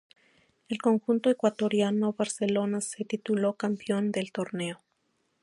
El conjunto ecuatoriano Barcelona se tituló campeón del torneo.